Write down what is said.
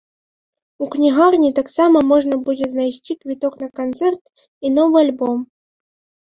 У кнігарні таксама можна будзе знайсці квіток на канцэрт і новы альбом.